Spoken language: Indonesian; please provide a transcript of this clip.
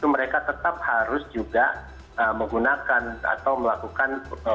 mereka tetap harus juga menggunakan atau melakukan